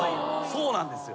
そうなんですよ。